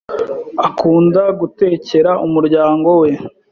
Akunda gutekera umuryango we.